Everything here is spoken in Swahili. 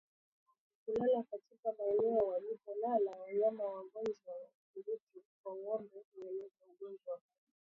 Kulala katika maeneo walipolala wanyama wagonjwa wa ukurutu kwa ngombe hueneza ugonjwa huu